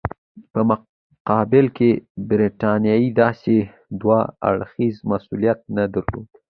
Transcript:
په مقابل کې برټانیې داسې دوه اړخیز مسولیت نه درلود.